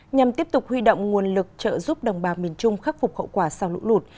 nhằm tiếp tục huy động nguồn lực trợ giúp đồng bào miền trung khắc phục hậu quả sau lũ lụt